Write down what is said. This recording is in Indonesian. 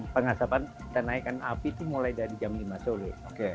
pengasapan kita naikkan api itu mulai dari jam lima sore